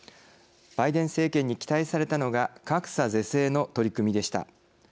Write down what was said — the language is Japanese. バイデン政権に期待されたのが格差是正の取り組みでした。